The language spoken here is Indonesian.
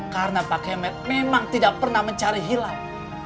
karena pak kemet memang tidak pernah mencari hilal